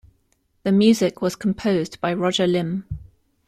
The music was composed by Roger Limb.